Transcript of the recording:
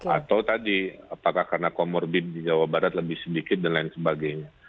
atau tadi apakah karena comorbid di jawa barat lebih sedikit dan lain sebagainya